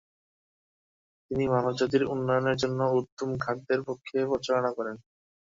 তিনি মানবজাতির উন্নয়নের জন্য উত্তম খাদ্যের পক্ষে প্রচারণা করেন।